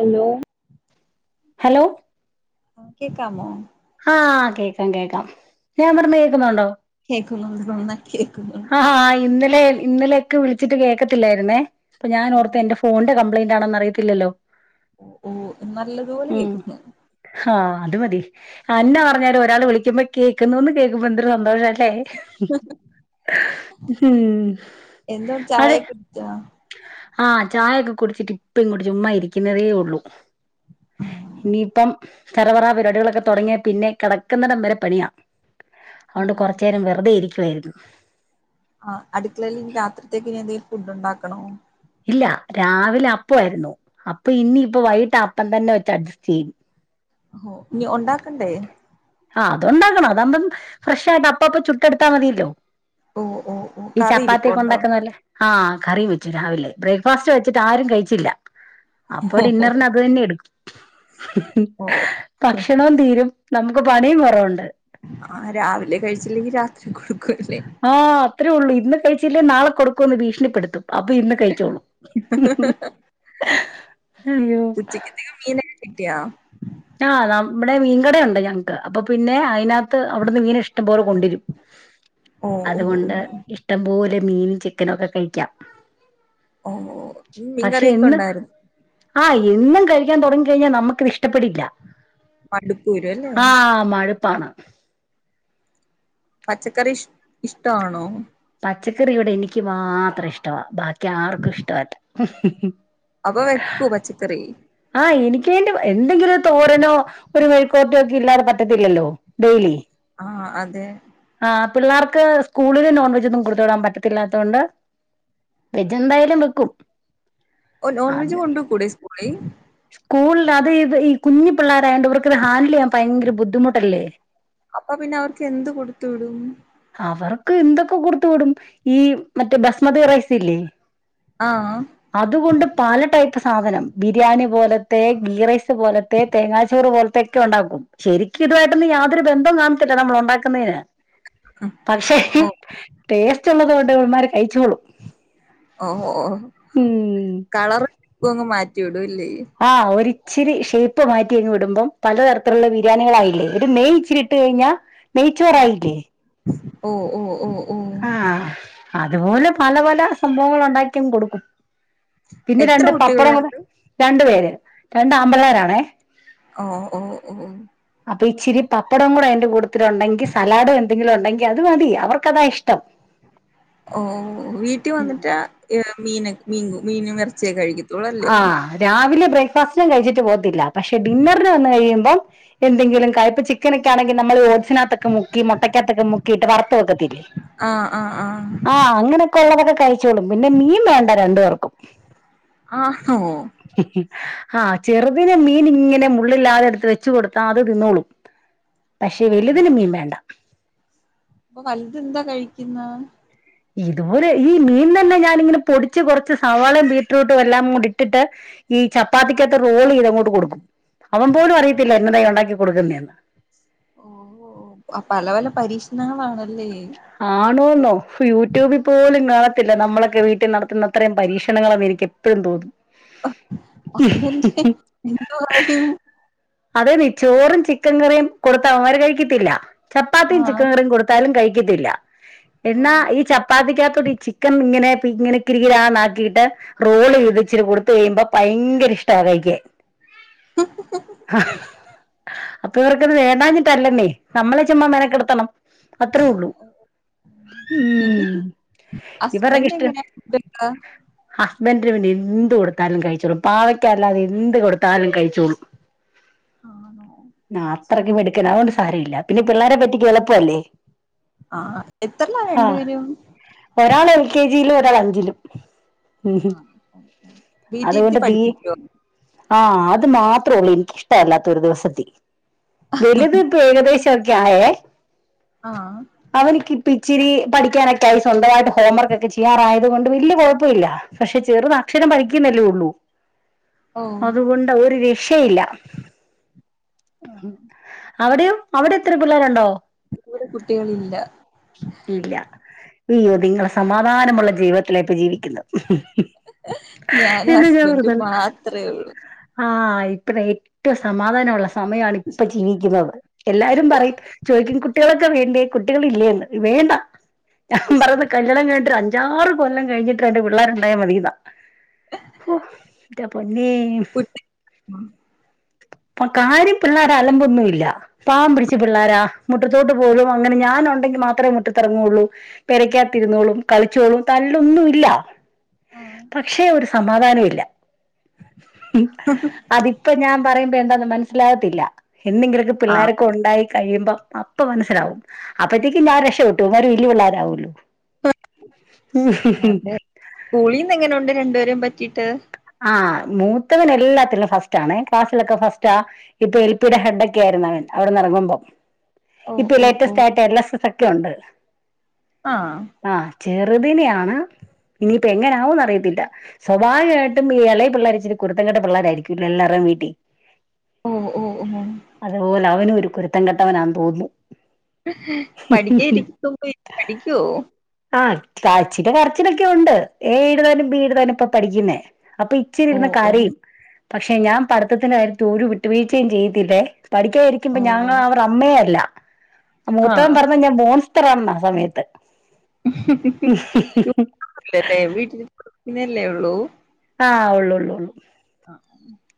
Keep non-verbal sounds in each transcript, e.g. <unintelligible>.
Hello hello ഉം കേക്കാമോ ആഹ് കേക്കാം കേക്കാം ഞാൻ പറഞ്ഞെ കേക്കുന്നുണ്ടോ കേക്കുന്നുണ്ട് നന്നായി കേക്കുന്നുണ്ട് ആഹ് ആഹ് ഇന്നലെ ഇന്നലെക്കെ വിളിച്ചിട്ട് കേക്കത്തില്ലായിരുന്നേ അപ്പ ആഹ് ഞാനോർത്ത് എന്റെ ഫോൺന്റെ കംപയിന്റാണെന്ന് അറിയത്തില്ലല്ലോ ഓഹ് ഓഹ് നല്ലപോലെ ഉം കേക്കുന്ന് ആഹ് അത് മതി അഎന്നാ പറഞ്ഞാലും ഒരാൾ വിളിക്കുമ്പോ കേക്കുന്നുന്ന് കേക്കുമ്പോ എന്തരു സന്തോഷ ല്ലേ ഉം അത് ചാഹ്‌ ആഹ് ചായൊക്കെ കുടിച്ചിട്ട് ഇപ്പെങ്ങോട്ട് ചുമ്മാ ഇരിയ്ക്കുന്നതേ ഒള്ളൂ ഇനിപ്പം ചറപറാ പരിപാടികളൊക്കെ തൊടങ്ങിയാ പിന്നെ കെടക്കുന്നിടം വരെ പണിയാ ഓ അതോണ്ട് കൊറച്ചേരം വെറുതെ ഇരിയ്ക്കുവായിരുന്നു ആഹ് അടുക്കളേല് ഇനി രാത്രിത്തേക്ക് ഇനി എന്തേലും ഫുഡുണ്ടാക്കണോ ഇല്ല രാവിലെ അപ്പവായിരുന്നു അപ്പ ഇനിയിപ്പ വൈകിട്ട് അപ്പം തന്നെ വെച്ച് അഡ്ജസ്റ്റെയ്യും ഹോ ഇനി ഒണ്ടാക്കണ്ടേ ആഹ് അതുണ്ടാക്കണം അതാവുമ്പം ഫ്രഷ് ആയിട്ട് അപ്പപ്പൊ ചുട്ടെടുത്താ മതിയല്ലോ ഓ ഓ ഓ ഈ കറി ചപ്പാത്തിയൊക്കെ ഇരിപ്പുണ്ടോ ഒണ്ടാക്കുന്നപോലെ ആഹ് കറിം വെച്ചു രാവിലേ ബ്രേക്ക്ഫാസ്റ്റ് വെച്ചിട്ട് ആരും കഴിച്ചില്ല അപ്പൊ ഡിന്നറിന് അത് തന്നെ എടുക്കും ഓ ഭക്ഷണോം തീരും നമുക്ക് പണിയും കൊറവുണ്ട് ആഹ് രാവിലെ കഴിച്ചില്ലെങ്കിൽ രാത്രി കൊടുക്കുവല്ലേ. ആഹ് അത്രേ ഉള്ളൂ ഇന്ന് കഴിച്ചില്ലേ നാളെ കൊടുക്കുംന്ന് ഭീഷണിപ്പെടുത്തും. അപ്പൊ ഇന്ന് കഴിച്ചോളൂ അയ്യോ. കിട്ടയാ ആഹ് നമ്മുടെ മീൻകടയുണ്ട് ഞങ്ങക്ക് അപ്പൊ പിന്നെ അയിന ത്ത് അവിടുന്ന് മീന് ഇഷ്ടംപോലെ കൊണ്ടരും ഓ ഓ അതുകൊണ്ട്. ഇഷ്ടം പോലെ മീനും ചിക്കനും ഒക്കെ കഴിക്കാം. ഓഹ് ഓഹ് പക്ഷെ മീൻകറിയൊക്കെ എന്നും ഉണ്ടായിരു ആഹ് എന്നും കഴിക്കാൻ തുടങ്ങി കഴിഞ്ഞാൽ നമുക്കത് ഇഷ്ടപ്പെടില്ല. മട്ക്കൂലെ ആഹ് ആഹ് മടുപ്പാണ്. പച്ചക്കറി ഇഷ് ഇഷ്ട്ടാണോ? പച്ചക്കറി ഇവിടെ എനിക്ക് മാത്രം ഇഷ്ടവാ ബാക്കി ആർക്കും ഇഷ്ടവല്ല. അപ്പ വക്കൂ പച്ചക്കറി ആഹ് എനികുവേണ്ടി എന്തെങ്കിലും തോരനോ ഒരു മെഴിക്കുപുരട്ടി ഒക്കെ ഇല്ലാതെ പറ്റത്തില്ലല്ലോ ഡെയിലി ആഹ് അതെ ആ പിള്ളേർക്ക് സ്കൂളില് നോൺ വെജൊന്നും കൊടുത്തു വിടാൻ പറ്റത്തില്ലാത്തോണ്ട് വെജ് എന്തായാലും വെക്കും ഓ നോൺ വെജ് അത് കൊണ്ടോ കൂടെ സ്കൂളി സ്കൂളിൽ അത് ഇത് ഈ കുഞ്ഞി പിള്ളോരായണ്ട് ഇവർക്ക്ത് ഹാൻഡില് യ്യാൻ ഭയങ്കര ബുദ്ധിമുട്ടല്ലേ അപ്പ പിന്നെ അവർക്ക് എന്ത് കൊടുത്ത് വിടും അവർക്ക് എന്തൊക്കെ കൊടുത്തു വിടും ഈ മറ്റേ ഭസ്മതി റൈസ് ഇല്ലേ ആഹ് അതുകൊണ്ട് പല ടൈപ്പ് സാധനം ബിരിയാണി പോലത്തെ ഗീ റൈസ് പോല തോ തേങ്ങാച്ചോറ് പോലത്തെയൊക്കെ ഉണ്ടാക്കും ശരിക്കും ഇതുവായിട്ടൊന്ന യാതൊരു ബന്ധവും കാണത്തില്ല നമ്മൾ ഉണ്ടാക്കുന്നയിന് പക്ഷേ ഓ ടേസ്റ്റ് ഉള്ളത് കൊണ്ട് ഇവമര് കഴിചോളും ഓ ഓ ഓ കളർങ്ങ് മാറ്റി വിടുല്ലേ ആഹ് ഒരിച്ചിരി ഷേപ്പ് മാറ്റി ങ്ങ് വിടുമ്പോം പലതരത്തിലുള്ള ബിരിയാണികളായില്ലേ ഒരു നെയ്ച്ചിരി ട്ട് കഴിഞ്ഞ നെയ്ച്ചോറ് ആയില്ലേ ഓഹ് ഓഹ് ഓഹ് ഓഹ് ആഹ് അതുപോലെ പല പല സംഭവങ്ങൾ ഉണ്ടാക്കിങ്ങ് കൊടുക്കും പിന്നെ എത്ര രണ്ട് പപ്പടം കൂ കുട്ടികളുണ്ട് രണ്ട് പേര് രണ്ട് ആമ്പിളരാണേ ഓഹ് ഓഹ് ഓഹ് അപ്പൊ ഇച്ചിരി പപ്പടം കൂടെ അതിന്റെ കൂട്ടത്തിൽഉണ്ടെങ്കി സലഡും എന്തങ്കിലും ഉണ്ടെങ്കി അത് മതി അവർക്കത ഇഷ്ടം ടം ഓഹ് വീട്ടിൽ വന്നിട്ട് മീന മീൻ മീൻ എറച്ചിയൊക്കെ കഴിക്കും ആഹ് രാവിലെ ബ്രേക്ക്ഫാസ്റ്റിനും കഴിച്ചിട്ട് പോവത്തില്ല പക്ഷെ ഡിന്നറിന് വന്ന് കഴിയുമ്പോം എന്തെങ്കിലും കായിപ്പി മക്കൊക്കൊെങ്കി നമ്മള് ഓട്സിനകത്തൊെ മുകി മുട്ടക്കത്തൊക്കെ മുക്കിട് വറുത്തത് വക്കത്തില്ലെ ആഹ് ആഹ് ആഹ് ആഹ് അങ്ങനൊക്കെ ഉള്ളതൊക്കെ കഴിച്ചോളും പിന്നെ മീൻ വേണ്ട രണ്ടു പേർക്കും ആഹോ ആ ചെറുതിനെ മീൻ ഇങ്ങനെ മുള്ളില്ലാതെ എടുത്ത് വെച്ച് കൊടുത്താ അത് തിന്നോളും ഉ പക്ഷേ വലുതിന് മീൻ വേണ്ട ഇപ്പൊ വലുത് എന്താ കഴിക്കുന്ന ഇതുപോലെ ഈ മീൻ തന്നെ ഞാനിങ്ങനെ പൊടിച്ച് കുറച്ച് സവാളയും ബീട്രൂട്ടും എല്ലാം കൂടി ഇട്ടിട്ട് ഈ ചപ്പാത്തിക്കത്ത റോൾ ഇതങ്ങോട്ട് കൊടുക്കും അവൻ പോലും അറിയത്തില്ല എന്നതായി ഉണ്ടാക്കി കൊടുക്കുന്നതന്ന് ഓ പല പല പരീക്ഷണങ്ങളാണല്ലേ ആണോെന്നോ യൂട്യൂബിൽ പോലുംങ്ങ പല്ല നമ്മളൊക്കെ വീട്ടിൽ നടത്തുന്ന അത്രയും പരീക്ഷണങ്ങളൊന്ന എനിക്ക് എപ്പോഴും തോന്നും ഹസ്ബൻഡ് എന്ത് പറയും അതെ നീ ചോറും ചിക്കൻ കറിയും കൊടുത്ത അവര് കഴിക്കത്തില്ല ചപ്പാത്തിയും ആഹ് ചിക്കൻ കറിയും കൊടുത്ത ത്താലും കഴിക്കത്തില്ല എന്നാ ഓഹ് ഈ ചപ് പ്പാധിക്കാത്തോട്ട ഈ ചിക്കൻ ഇങ്ങനെ ഇങ്ങനെ കി കിരാന്ന ആക്കിയിട്ട് റോള് ചെയ്ത് ഇച്ചിരി കൊടുത്ത് കഴിയുമ്പോ ഭയങ്കര ഇഷ്ട കഴിക്കാൻ അപ്പൊ ഇവർക്കത് വേണ്ടാഞ്ഞിട്ടല്ലന്നേ നമ്മളെ ചുമ്മാ മെനക്കെട്ത്തണം അത്രേ ഉള്ളൂ ഉം ഇവര്ടെ ഒക്കെ ഹസ്ബൻഡ് ഇഷ്റ്റ് എങ്ങനെയാ ഫുഡൊക്കെ ഹസ്ബൻഡ്ന് വേണ്ടി എന്ത് കൊടുത്താലും കഴിച്ചോളും പാവയ്ക്ക അല്ലാതെ എന്ത് കൊടുത്താലും കഴിച്ചോളും ആണോ ആഹ് അത്രയ്ക്കും മിട്ക്കനാ അതുകൊണ്ട് സാര ഇല്ല പിന്നെ പിള്ളാരേ പറ്റിക്കാൻ എള്പ്പ അല്ലേ <unintelligible> ആഹ് എത്രല്ലാ രണ്ടുപേരും ഒരാൾ എൽ കെ ജിയിലും ഒരാൾ അഞ്ചിലും ഉഉം ഹും ആണോ ഓഹ് ഓഹ് അതുകൊണ്ട് വീട്ടിയിരുത്തി തീ പഠിപ്പിക്കോ ആഹ് അത് മാത്രേ ഉള്ളൂ എനക്ക്ഷ്ട അല്ലാത്ത് ഒരു ദിവസത്തി വെലുത് ഇപ്പോ ഏകദേശൊക്കെ ആയേ ആഹ് അവൻക്ക് ഇപ്പ ഇച്ചിരി പഠിക്ക്യാനൊക്കെ ആയി സ്വന്തവായിട്ട് ഹോംവർക്ക് ഒക്കെ ചെയ്യാറായത് കൊണ്ട് വെല്ല്യെ കൊഴപ്പൊ ഇല്ല പക്ഷെ ചെറുത് അക്ഷരം പഠിക്കുന്നല്ലേ ഉള്ളൂ ഓഹ് അത്കൊണ്ട് ഒരു രക്ഷയില്ല ആഹ് ഉം അവടെയും അവടെ എത്ര പിള്ളേരുണ്ടോ ഇവിടെ കുട്ടികളില്ല ഇല്ല ഇയ്യോ നിങ്ങള് സമാധാനമുള്ള ജീവിതത്തിലാ ഇപ്പ ജീവിക്ക്ന്നത് ഞാനും ഹസ്ബൻഡും മാത്രേ ഒള്ളൂ ആഹ് ഇപ്പത് ഏറ്റവും സമാധാനമുള്ള സമയാണ് ഇപ്പ ജീവിക്ക്ന്നത് എല്ലാരും പറയും ചോയ്ക്കും കുട്ടികളൊക്കെ വേണ്ടേ കുട്ടികളില്ലേന്ന് വേണ്ട ഞാൻ പറയുന്ന് കല്യാണം കഴിഞ്ഞിട്ട് ഒര് അഞ്ചാറ് കൊല്ലം കഴിഞ്ഞിട്ട് രണ്ട് പിള്ളേരുണ്ടായാ മതിന്നാ ഹോ എൻ്റെ പൊന്നേ കുട്ടി പ്പ കാര്യം പിള്ളാര് അലമ്പൊന്നും ഇല്ല പാവം പിടിച്ച പിള്ളാര മു റ്റത്തോട്ട് പോലും അങ്ങനെ ഞാനൊണ്ടെങ്കി മാത്രേ മുറ്റത്തെറങ്ങു ഒള്ളൂ പെരയ്ക്ക്യാത്തിരുന്നോളും കളിച്ചോളും തല്ലൊന്നും ഇല്ല പക്ഷെ ഒരു സമാധാനം ഇല്ല അതിപ്പൊ ഞാൻ പറയുമ്പോ എന്താന്ന് മനസ്സിലാവത്തില്ല എന്നെങ്കിലൊക്കെ ആഹ് പിള്ളാരൊക്കെ ഒണ്ടായി കഴിയുമ്പം അ പ്പ മനസ്സിലാവും അപ്പഴ്ത്തേയ്ക്ക് ഞാൻ രക്ഷപെട്ടു ഇവന്മാര് വെല്ല്ല്യെ പിള്ളേര് ആവുവാലോ അതെ സ്കൂളീന്ന് എങ്ങനെ ഉണ്ട് രണ്ട്പേരേം പറ്റീട്ട് ആഹ് മൂത്തവൻ എല്ലാത്തിലും ഫസ്റ്റ് ആണേ ക്ലാസ്സിലൊക്കെ ഫസ്റ്റാ ഇപ്പ എൽപിയുടെ ഹെഡൊക്കെ ആയിരുന്നു അവൻ അവിടെന്ന് എറങ്ങുമ്പം ഓഹ് ഇപ്പൊ ഓഹ് ലേറ്റസ്റ്റ് ഓഹ് ആയിട്ട് എൽ എസ് എസ് ഒക്കെ ഉണ്ട് ആഹ് ആഹ് ചെറുതിനിനെയാണ് ഇനിയിപ്പ എങ്ങനെ ആവുന്ന് അറിയത്തില്ല സ്വ ഭാവികമായിട്ടും ഈ എളയ പിള്ളാര് ഇച്ചിരി കുരുത്തം കെട്ട പിള്ളോരായിരിക്കുല്ലോ എല്ലാരേം വീട്ടി ഓഹ് ഓഹ് ഒഹ് ഉം അതുപോലെ അവനും ഒരു കുരുത്തം കെട്ടവാനാന്ന് തോന്നുന്നു പഠിക്ക്യാ ഇരിക്കുമ്പൊ <unintelligible> പഠിക്ക്യോ ആഹ് കാ ചില വർക്കിനൊക്കെ ഉണ്ട് യെ എഴുതാനും ബി എഴുതാനും ഇപ്പ പഠിക്ക്ന്നേ അപ്പ ഇച്ചിരി ഇര്ന്ന് ഓഹ് ഓഹ് കരയും പക്ഷെ ഞാൻ പഠ്ത്തത്തിന്റെ കാര്യത്തി ഒരു വിട്ടുവീഴ്ചയും ചെയ്യത്തില്ലേ പഠിക്ക്യാ ഇരിക്കുമ്പ ഞങ്ങ ഓഹ് അവര്ടെ അമ്മേ അല്ല അഹ് മൂത്തവൻ ആഹ് പറ യും ഞാൻ മോൺസ്റ്ററാണെന്ന് ആ സമയത്ത് <unintelligible> ല്ലല്ലേ വീട്ട്ല് കുഞ്ഞല്ലേ ഉള്ളൂ ആഹ് ഒള്ളൊള്ളൊള്ളൂ ആഹ് <unintelligible>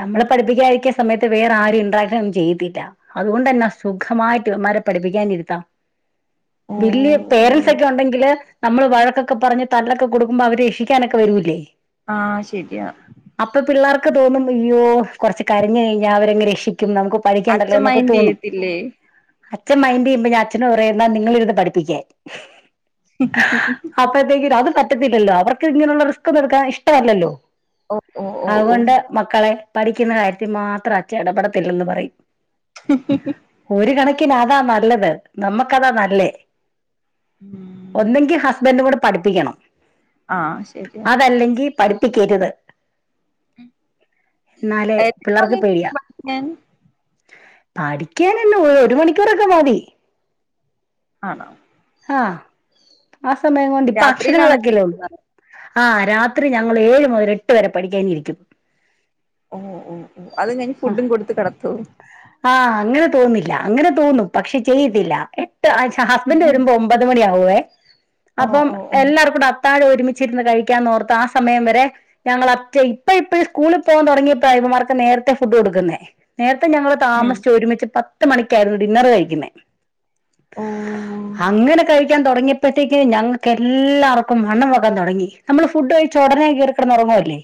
നമ്മള് പഠിപ്പിക്കായിരിക്കുന്ന സമയത്ത് വേറെ ആരേം ഇൻട്രാക്ഷൻ ഒന്നും ചെയ്യത്തില്ല അതുകൊണ്ടെന്നാ സുഖമായിട്ട് ഇവന്മാരെ പഠിപ്പിക്കാൻ ഇരുത്താം ഓ വല്യ പേരന്റ്സ് ഒക്കെ ഉണ്ടെങ്കില് നമ്മള് വഴക്കൊക്കെ പറഞ്ഞ് തല്ലൊക്കെ കൊടുക്കുമ്പോ അവര് രക്ഷിക്കാനൊക്കെ വരൂല്ലേ ആഹ് ശെരിയാ അപ്പൊ പിള്ളേർക്ക് തോന്നും അയ്യോ കുറച്ച് കരഞ്ഞ് കഴിഞ്ഞാൽ അവരങ്ങ് രക്ഷിക്കും നമുക്ക് പഠിക്കണ്ടല്ലോ അച്ഛൻ എന്നൊക്കെ മൈൻഡ് തോന്നും ചെയ്യത്തില്ലേ അച്ഛൻ മൈൻഡ് ചെയ്യുമ്പോ ഞാനച്ഛനോട് പറയും നിങ്ങളിരുന്ന് പഠിപ്പിക്കാൻ <unintelligible> അപ്പോഴത്തേക്കും അത് പറ്റത്തില്ലല്ലോ അവർക്ക് ഇങ്ങനെയുള്ള റിസ്ക് ഒന്നും എടുക്കാൻ ഇഷ്ടമല്ലല്ലോ ഓ ഓ ഓ ഓ അതുകൊണ്ട് മക്കളെ പഠിക്കുന്ന കാര്യത്തിൽ മാത്രം അച്ഛൻ ഇടപെടത്തില്ലെന്ന് പറയും <inaudible> ഒരു കണക്കിന് അതാ നല്ലത് നമ്മക്കതാ നല്ലേ ഉം ഒന്നെങ്കിൽ ഹസ്ബൻഡ് കൂടെ പഠിപ്പിക്കണം ആഹ് ശരിയാ അതല്ലെങ്കിൽ പഠിപ്പിക്കരുത് എന്നാലേ എത്ര പിള്ളേർക്ക് പേടിയ സമയത്ത് പഠിക്കാൻ പഠിക്കാനല്ലോ ഒരു മണിക്കൂറൊക്കെ മതി ആണോ ആഹ് ആ സമയം കൊണ്ട് ഇപ്പ രാത്രിയിലാണോ അക്ഷരങ്ങളൊക്കെല്ലേ ഉള്ളൂ ഇരിക്കുന്നത് ആഹ് രാത്രി ഞങ്ങൾ ഏഴ് മുതൽ എട്ട് വരെ പഠിക്കാൻ ഇരിക്കും ഓഹ് ഓഹ് ഓഹ് അത് കഴിഞ്ഞ് ഫുഡും കൊടുത്ത് കിടത്തുവോ ആഹ് അങ്ങനെ തോന്നില്ല അങ്ങനെ തോന്നും പക്ഷെ ചെയ്യത്തില്ല എട്ട് ഹസ്ബൻഡ് വരുമ്പോ ഒമ്പത് മണി ആവും പോവേ ഓ അപ്പം ഓ ഓ എല്ലാർക്കൂടെ അ അത്താഴം ഒരുമിച്ചിരുന്ന് കഴിക്കാൻ ഓർത്ത് ആഹ് സമയം വരെ ഞങ്ങളറ്റ ഇപ്പൊ ഇപ്പ സ്കൂളിൽ പോകാൻ തുടങ്ങിയപ്പോ ഇവന്മാർക്ക് നേരത്തെ ഫുഡ് കൊടുക്കുന്നെ നേരത്തെ ഞങ്ങള് ഉം താമസിച്ച് ഒരുമിച്ച് പത്ത് മണിക്കായിരുന്നു ഡിന്നറ് കഴിക്കുന്നേ ഓ അങ്ങനെ കഴി ക്കാൻ തുടങ്ങിയപ്പോഴത്തേക്ക് ഞങ്ങൾക്ക് എല്ലാവർക്കും വണ്ണം വെക്കാൻ തുടങ്ങി നമ്മള് ഫുഡ് കഴിച്ച് ഉടനെ കയറിക്കടന്ന് ഉറങ്ങുവല്ലേ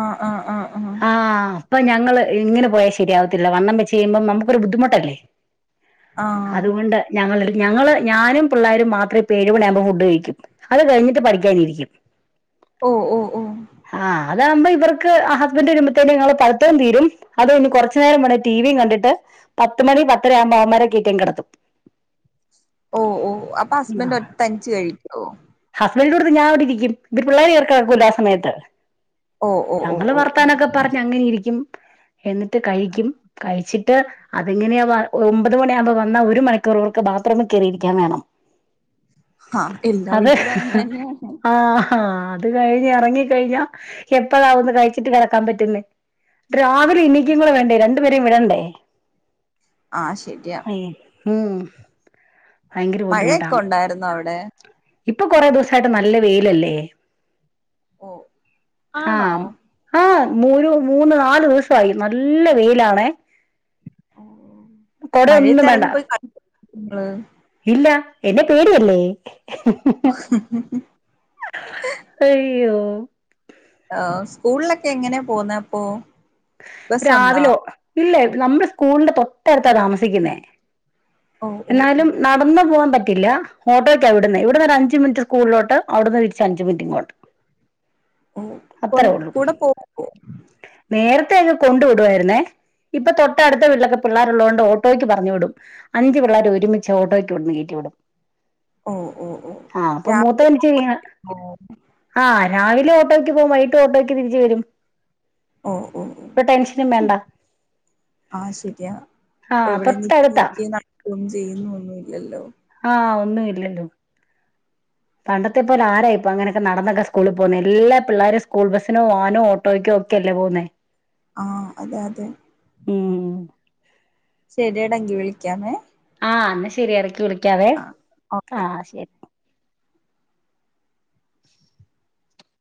ആഹ് ആഹ് ആഹ് ആഹ് ആഹ് അപ്പൊ ഞങ്ങള് ഇങ്ങനെ പോയാ ശെരിയാവത്തില്ല വണ്ണം വെച്ച് കഴിയുമ്പം നമുക്കൊരു ബുദ്ധിമുട്ടല്ലേ ആഹ് അതുകൊണ്ട് ഞങ്ങള് ഞങ്ങള് ഞാനും പിള്ളരും മാത്രം ഇപ്പോൾ ഏഴ്മണിയാകുമ്പോൾ ഫുഡ് കഴിക്കും അത് കഴിഞ്ഞിട്ട് പഠിക്കാനിരിക്കും ഓഹ് ഓഹ് ആഹ് അതാകുമ്പോ ഇവർക്ക് ഹസ്ബൻഡ് വരുമ്പത്തേന് ഞങ്ങളെ പഠുത്തോം തീരും അത് കൊണ്ട് കുറച്ച് നേരം വരെ ടീവിയും കണ്ടിട്ട് പത്ത് മണി പത്തരയാവുമ്പവന്മാരെ കേറ്റിയങ്ങ് കിടത്തും ഓഹ് ഓഹ് അപ്പൊ ഹസ്ബൻഡ് ഒ തനിച്ച് കഴിക്കുവോ ഹസ്ബൻഡിന്റെ കൂട്ടത്തിൽ ഞാനവിടിരിക്കും ഇവര് പിള്ളേര് കേറി കെടക്കൂല്ലേ ആഹ് സമയത്ത് ഓ ഓ ഓ ഞങ്ങള് ഓ ഓ വർത്താനൊക്കെ പറഞ്ഞ് അങ്ങനെ ഇരിക്കും എന്നിട്ട് ആ കഴിക്കും കഴിച്ചി ട്ട് അതെങ്ങനെയാ ഒമ്പത് മണിയാകുമ്പോ വന്നാ ഒരു മണിക്കൂറിവർക്ക് ബാത്റൂമിൽ കയറിയിരിക്കാൻ വേണം ആഹ് എല്ലാ വീട്ടിലും അങ്ങനെ തന്നെയാണ് ആഹ് അത് കഴിഞ്ഞ് ഇറങ്ങി കഴിഞ്ഞാ എപ്പഴാ ഒന്ന് കഴിച്ചിട്ട് കിടക്കാൻ പറ്റുന്നെ രാവിലെ എണീക്കുംകൂടെ വേണ്ടേ രണ്ടു പേരേം വിടണ്ടേ ആഹ് ശെരിയാ ഉം ഉം ഭയങ്കര മഴയൊക്കെ ബുദ്ധിമുട്ടാണ് ഉണ്ടായിരുന്നോ അവിടെ ഇപ്പൊ കൊറെ ദിവസായിട്ട് നല്ല വെയിലല്ലേ ഓഹ് ആഹ് ആഹ് മൂ മൂന്ന് നാലൂസായി നല്ല വെയിലാണേ ഓഹ് മഴയത്ത് കൊടയൊന്നും വേണ്ട എറങ്ങിപ്പോയി കളിക്കോ കുഞ്ഞുങ്ങള് ഇല്ല എന്നെ പേടി അല്ലേ ഉ അയ്യോ ആഹ് സ്കൂളിലൊക്കെ എങ്ങനെയ പോവുന്നേ അപ്പോ രാവിലോ ഇല്ല നമ്മള് സ്കൂളിന്റെ തൊട്ടടുത്ത താമസിക്കുന്നേ ഓ ഓ ഓ എന്നാലും ന ടന്ന് പോവാൻ പറ്റില്ല ഓട്ടോയ്ക്ക വിടുന്നെ ഇവിടുന്ന് അഞ്ച് മിനിറ്റ് സ്കൂളിലോട്ട് അവിടുന്ന് തിരിച്ച് അഞ്ച് മിനിറ്റ് ഇങ്ങോട്ട് ഓഹ് കൊൺ അത്രേ ഉള്ളൂ കൂടെ പോവോ നേരത്തെ അങ്ങ് കൊണ്ടു വിടുവായിരുന്നേ ഇപ്പൊ തൊട്ടടുത്ത വിട്ടിലോക്ക പിള്ളേരുള്ളതുകണ്ട് ഓട്ടോയ്ക്ക് പറഞ്ഞുവിടും അഞ്ച് പിള്ളേരെ ഒരുമച്ച് ഓട്ടോയ്ക്ക് ഇവിടുന്ന് കേറ്റിവിടും ഓഹ് ഓഹ് ഓഹ് ആഹ് അപ്പൊ മൂത്തവൻ എന്ത്‌ ചെയ്യാ ആഹ് ആഹ് രാവിലെ ഓട്ടോക്ക് പോവും വൈകിട്ടും ഓട്ടോയ്ക്ക് തിരിച്ചു വരും ഓഹ് ഓഹ് ഓഹ് ഒരു ടെൻഷനും വേണ്ട ആഹ് ശരിയാ ആ എവിടെ നിക്കി തൊട്ടടുത്താ <unintelligible> ചെയ്യുന്നു ഒന്നുല്ലല്ലോ ആഹ് ഒന്നും ഇല്ലല്ലോ പണ്ടത്തെപ്പോലെ ആരായിപ്പോ അങ്ങനെയൊക്കെ നടന്നൊക്കെ സ്കൂള് പോവുന്ന എല്ലാ പിള്ളേരും സ്കൂൾ ബസിനോ വാനോ ഓട്ടോ ട്ടോയ്ക്കോ ഒക്കെയല്ലേ പോവുന്നെ ആഹ് അതെ അതെ ഉം ഉം ശരിയട എങ്കി വിളിക്കാമേ ആഹഹ് എന്ന ശരി എടക്ക് വിളിക്കാവേ ആഹ് ഓക്കെ ആഹ് ശരി